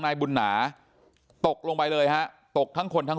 นายบุญหนาตกลงไปเลยฮะตกทั้งคนทั้ง